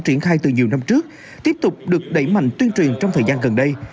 triển khai từ nhiều năm trước tiếp tục được đẩy mạnh tuyên truyền trong thời gian gần đây